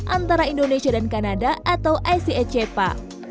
antara indonesia dan kanada atau icecpa